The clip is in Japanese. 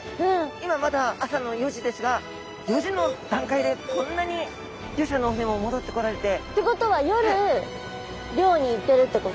今まだ朝の４時ですが４時の段階でこんなに漁師さんのお船も戻ってこられて。ってことは夜漁に行ってるってこと？